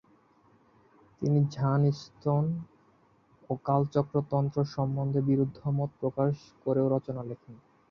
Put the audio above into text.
তিনি গ্ঝান-স্তোন ও কালচক্র তন্ত্র সম্বন্ধে বিরুদ্ধমত প্রকাশ করেও রচনা লেখেন।